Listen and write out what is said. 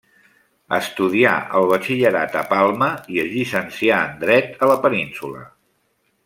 Estudià el batxillerat a Palma i es llicencià en dret a la Península.